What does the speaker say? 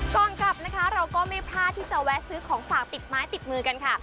ก่อนกลับนะคะเราก็ไม่พลาดที่จะแวะซื้อของฝากติดไม้ติดมือกันค่ะ